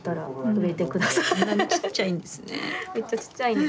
めっちゃちっちゃいんです。